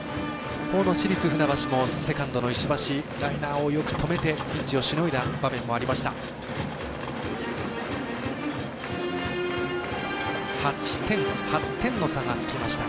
セカンドの石橋ライナーを止めてピンチをしのいだ場面もありました。